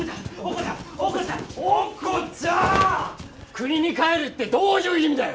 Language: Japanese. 国に帰るってどういう意味だよ！？